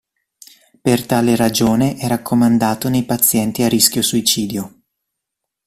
Per tale ragione è raccomandato nei pazienti a rischio suicidio.